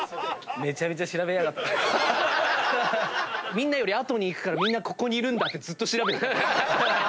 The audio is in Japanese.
みんなより後に行くからここにいるんだって調べてた。